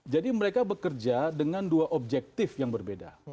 jadi mereka bekerja dengan dua objektif yang berbeda